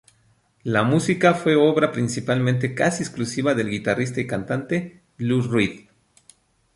La música fue obra principalmente casi exclusiva del guitarrista y cantante Lou Reed.